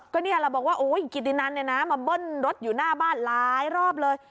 ก็เนี่ยเราบอกว่ากิตินันเนี่ยนะมาเบิ้ลรถอยู่หน้าบ้านหลายรอบเลย